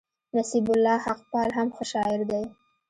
نصيب الله حقپال هم ښه شاعر دئ.